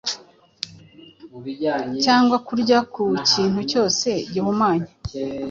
cyangwa kurya ku kintu cyose gihumanye